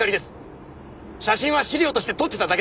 写真は資料として撮ってただけだ。